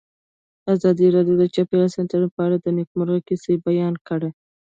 ازادي راډیو د چاپیریال ساتنه په اړه د نېکمرغۍ کیسې بیان کړې.